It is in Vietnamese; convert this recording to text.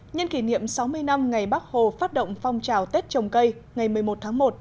nhân kỷ niệm sáu mươi năm ngày bắc hồ phát động phong trào tết trồng cây ngày một mươi một tháng một